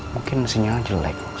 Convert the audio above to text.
mungkin mesinnya aja lagu